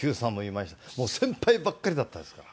もう先輩ばっかりだったですから。